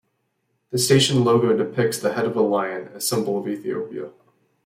The station logo depicts the head of a lion, a symbol of Ethiopia.